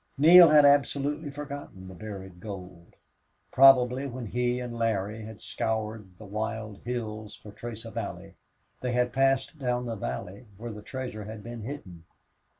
Neale had absolutely forgotten the buried gold. Probably when he and Larry had scoured the wild hills for trace of Allie they had passed down the valley where the treasure had been hidden.